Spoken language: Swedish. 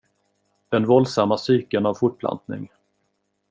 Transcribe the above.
Den våldsamma cykeln av fortplantning.